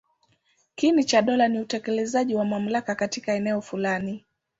Kiini cha dola ni utekelezaji wa mamlaka katika eneo fulani.